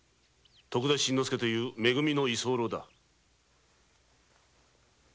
徳田新之助というめ組の居候だ。